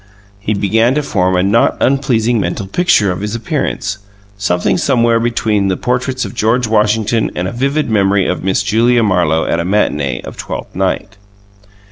He began to form a not unpleasing mental picture of his appearance, something somewhere between the portraits of George Washington and a vivid memory of Miss Julia Marlowe at a matinee of "Twelfth Night."